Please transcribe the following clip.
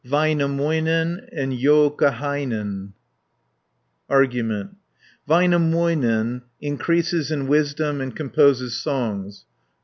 VÄINÄMÖINEN AND JOUKAHAINEN Argument Väinämöinen increases in wisdom and composes songs (1 20).